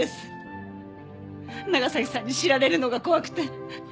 長崎さんに知られるのが怖くて。